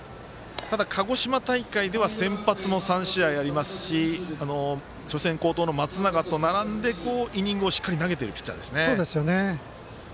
鹿児島大会では先発も３試合ありますし初戦、好投の松永と並んでイニングをしっかり投げているピッチャーです。